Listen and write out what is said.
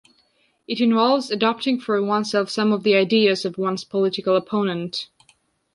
It involves adopting for oneself some of the ideas of one's political opponent.